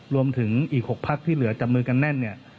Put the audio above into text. รวมถึงอีก๖พักที่เหลือจับมือกันแน่นเนี่ย